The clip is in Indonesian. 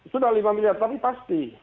sudah lima miliar tapi pasti